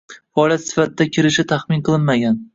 faoliyat sifatida kirishi taxmin qilinmagan.